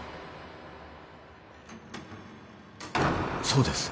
そうです。